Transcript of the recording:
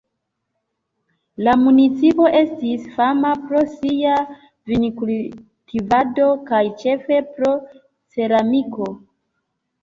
La municipo estis fama pro sia vinkultivado kaj ĉefe pro ceramiko.